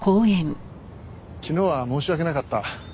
昨日は申し訳なかった。